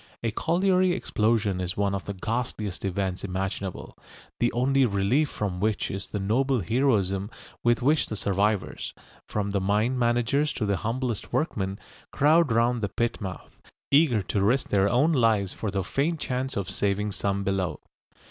A colliery explosion is one of the ghastliest events imaginable, the only relief from which is the noble heroism with which the survivors, from the mine managers to the humblest workmen, crowd round the pit mouth, eager to risk their own lives for the faint chance of saving some below.